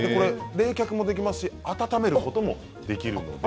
冷却もできますし温まることもできるんです。